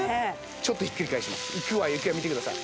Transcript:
ちょっとひっくり返しますいくわよいくわよ見てください